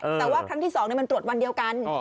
แต่ว่าครั้งที่๒มันตรวจวันเดียวกัน